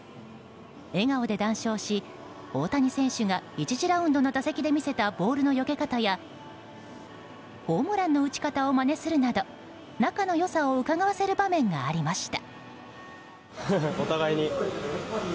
笑顔で談笑し、大谷選手が１次ラウンドの打席で見せたボールのよけ方やホームランの打ち方を真似するなど仲の良さをうかがわせる場面がありました。